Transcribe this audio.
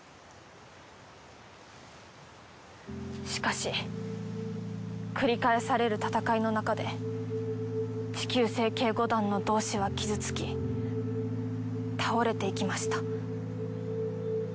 しかし繰り返される戦いのなかで地球星警護団の同志は傷つき倒れていきました。